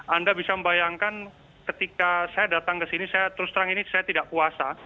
anda bisa membayangkan ketika saya datang ke sini saya terus terang ini saya tidak puasa